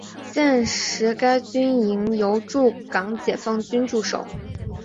现时该军营由驻港解放军驻守。